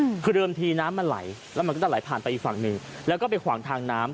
อืมคือเดิมทีน้ำมันไหลแล้วมันก็จะไหลผ่านไปอีกฝั่งหนึ่งแล้วก็ไปขวางทางน้ำ